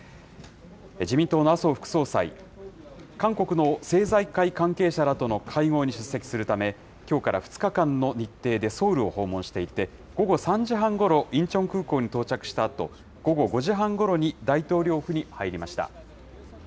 自民党の麻生副総裁、韓国の政財界関係者らとの会合に出席するため、きょうから２日間の日程でソウルを訪問していて、午後３時半ごろ、インチョン空港に到着したあと、午後５時半ごろに大統領府に入りました。